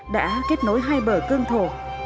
đã kết nối hai bờ cương thổ